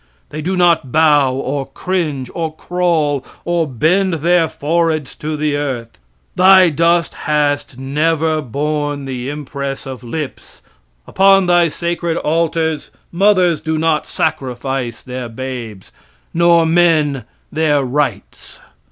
They do not bow or cringe or crawl or bend their foreheads to the earth. Thy dust hast never borne the impress of lips, upon thy sacred altars mothers do not sacrifice their babes, nor men their rights.